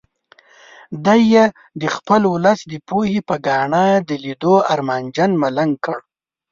دی یې د خپل ولس د پوهې په ګاڼه د لیدو ارمانجن ملنګ کړ.